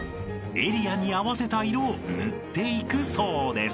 エリアに合わせた色を塗っていくそうです］